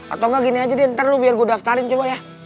atau gak gini aja deh ntar lo biar gue daftarin coba ya